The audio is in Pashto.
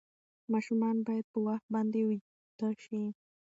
ماشومان باید په وخت باندې ویده شي.